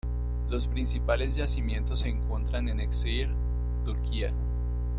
Los principales yacimientos se encuentran en Eskişehir, Turquía.